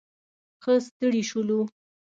ښه ستړي شولو.